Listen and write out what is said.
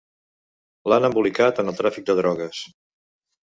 L'han embolicat en el tràfic de drogues.